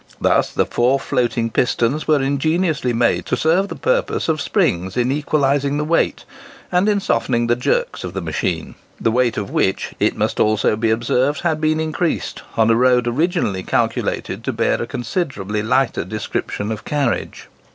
Thus the four floating pistons were ingeniously made to serve the purpose of springs in equalising the weight, and in softening the jerks of the machine; the weight of which, it must also be observed, had been increased, on a road originally calculated to bear a considerably lighter description of carriage.